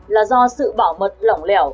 là do sự bảo mật lỏng lẻo